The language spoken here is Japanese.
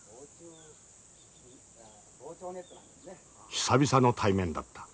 久々の対面だった。